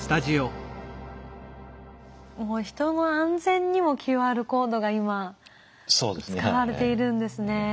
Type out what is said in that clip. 人の安全にもＱＲコードが今使われているんですね。